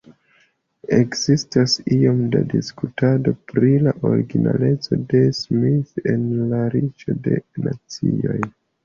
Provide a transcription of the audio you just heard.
Ekzistas iom da diskutado pri la originaleco de Smith en La Riĉo de Nacioj.